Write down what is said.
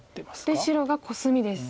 で白がコスミです。